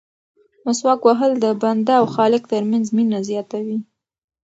مسواک وهل د بنده او خالق ترمنځ مینه زیاتوي.